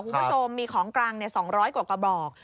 คุณผู้ชมมีของกลาง๒๐๐กว่ากระบอก